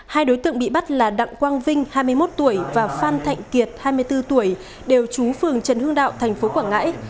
hai đối tượng bị bắt là đặng quang vinh hai mươi một tuổi và phan thạnh kiệt hai mươi bốn tuổi đều trúng phường trần hương đạo thành phố quảng ngãi